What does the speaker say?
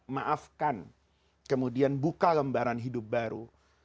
maafkan kemudian buka lembaran hidup baru